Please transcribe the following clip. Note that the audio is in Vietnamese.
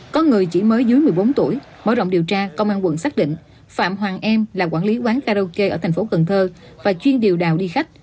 có người chỉ mới dưới một mươi bốn tuổi mở rộng điều tra công an quận xác định phạm hoàng em là quản lý quán karaoke ở thành phố cần thơ và chuyên điều đào đi khách